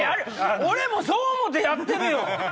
俺もそう思てやってるよ！